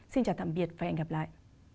xin chào tạm biệt và hẹn gặp lại